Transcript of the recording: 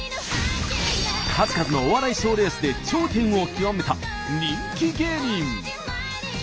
数々のお笑い賞レースで頂点を極めた人気芸人！